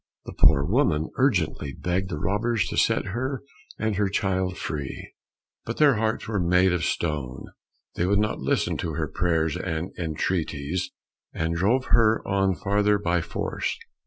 The poor woman urgently begged the robbers to set her and her child free, but their hearts were made of stone, they would not listen to her prayers and entreaties, and drove her on farther by force.